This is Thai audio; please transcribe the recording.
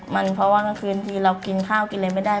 มันเพราะว่ากลางคืนทีเรากินข้าวกินอะไรไม่ได้